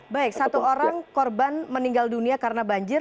baik satu orang korban meninggal dunia karena banjir